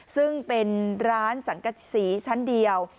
ซึ่งเป็นร้านสังกษีชั้นเดียว